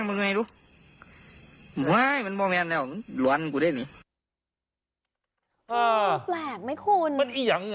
มันอีหยังน่ะเนี่ย